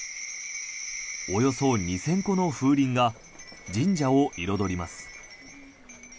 およそ２０００個の風鈴が神社を彩ります。